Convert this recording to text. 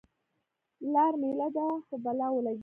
لار میله دې په بلا ولګي.